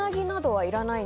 はい。